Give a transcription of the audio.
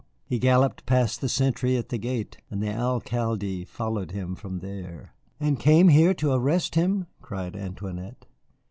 He galloped past the sentry at the gate, and the Alcalde followed him from there." "And came here to arrest him?" cried Antoinette.